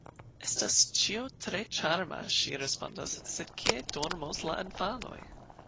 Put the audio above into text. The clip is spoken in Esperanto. “Estas ĉio tre ĉarma”, ŝi respondas, “sed kie dormos la infanoj?”